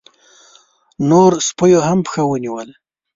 نورو سپيو هم پښه ونيوله.